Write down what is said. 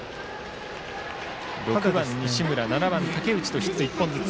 ６番、西村と７番の竹内にヒット１本ずつ。